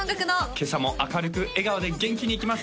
今朝も明るく笑顔で元気にいきます